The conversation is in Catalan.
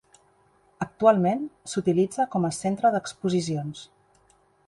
Actualment, s'utilitza com a centre d'exposicions.